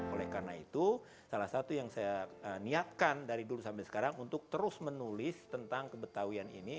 oleh karena itu salah satu yang saya niatkan dari dulu sampai sekarang untuk terus menulis tentang kebetawian ini